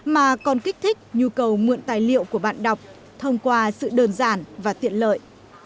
mà còn kích thích nhu cầu mượn tài liệu của bạn đọc thông qua sự đơn giản và tiện lợi